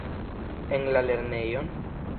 En la lernejon?